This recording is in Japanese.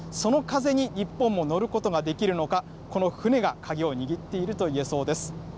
その風に日本も乗ることができるのか、この船が鍵を握っているといえそうです。